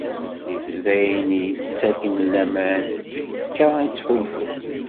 D ayen i d-yettaken laman. Akka i ttḥulfuɣ.